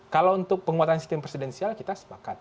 kalau untuk penguatan sistem presidensial kita sepakat